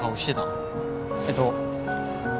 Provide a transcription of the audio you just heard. えーっと。